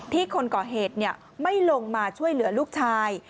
คนก่อเหตุไม่ลงมาช่วยเหลือลูกชาย